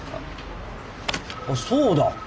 あっそうだ！